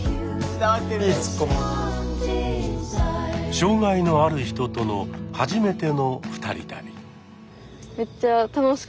障害のある人との初めての二人旅。